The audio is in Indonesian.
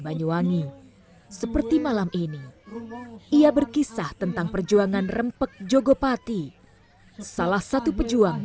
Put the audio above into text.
banyuwangi seperti malam ini ia berkisah tentang perjuangan rempek jogopati salah satu pejuang